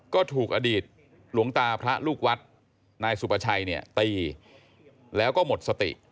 ก็ถูกอดีตหลวงตาพระลูกวัดนายสุประชัยเนี่ยตีแล้วก็หมดสติ